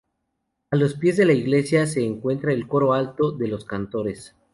A los pies de la iglesia se encuentra el Coro Alto de los Cantores.